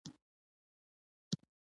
صحي خوراک د هاضمي سیستم لپاره مهم دی.